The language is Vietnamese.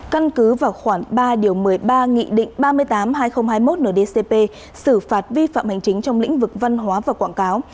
căn cứ vào khoảng ba điều một mươi ba nghị định ba mươi tám hai nghìn hai mươi một ndcp xử phạt vi phạm hành chính trong lĩnh vực văn hóa và quảng cáo